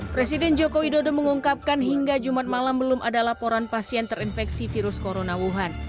presiden joko widodo mengungkapkan hingga jumat malam belum ada laporan pasien terinfeksi virus corona wuhan